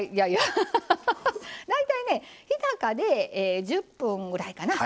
大体、日高で１０分ぐらいかな。